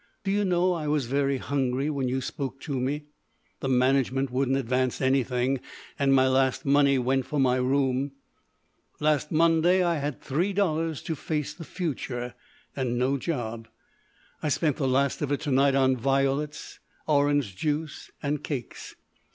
Do you know I was very hungry when you spoke to me? The management wouldn't advance anything, and my last money went for my room.... Last Monday I had three dollars to face the future—and no job. I spent the last of it to night on violets, orange juice and cakes.